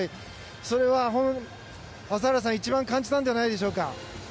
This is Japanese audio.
それは、朝原さんが一番感じたんじゃないでしょうか。